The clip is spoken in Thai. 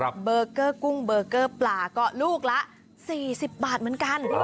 เบอร์เกอร์กุ้งเบอร์เกอร์ปลาก็ลูกละ๔๐บาทเหมือนกัน